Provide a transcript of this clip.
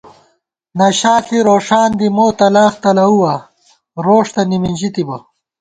نشا ݪی روݭان دی مو تلاخ تلَؤوا روݭ تہ نِمِنژِی تِبہ